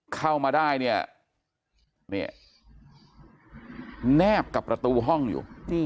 เข้ามาได้เนี่ยแนบกับประตูห้องอยู่